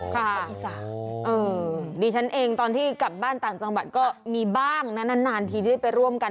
ภาษาอีสานดิฉันเองตอนที่กลับบ้านต่างจังหวัดก็มีบ้างนะนานทีที่ได้ไปร่วมกัน